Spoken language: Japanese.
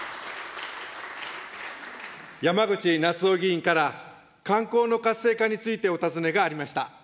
山口那津男議員から観光の活性化についてお尋ねがありました。